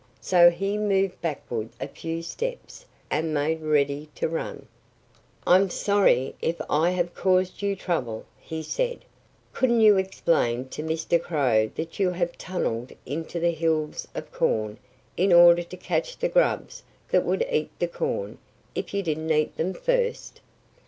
So he moved backward a few steps and made ready to run. "I'm sorry if I have caused you trouble," he said. "Couldn't you explain to Mr. Crow that you have tunnelled into the hills of corn in order to catch the grubs that would eat the corn if you didn't eat them first?